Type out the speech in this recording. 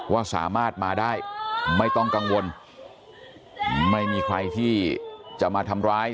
ว่าสามารถมาได้ไม่ต้องกังวลไม่มีใครที่จะมาทำร้าย